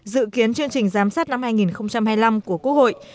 dự kiến chương trình giám sát năm hai nghìn hai mươi năm của quốc hội